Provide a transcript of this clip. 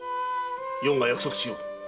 余が約束しよう